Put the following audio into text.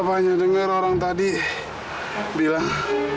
apa hanya dengar orang tadi bilang